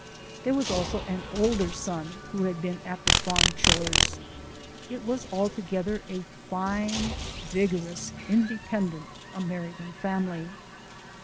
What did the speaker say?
There was also an older son, who had been at the farm chores. It was altogether a fine, vigorous, independent American family.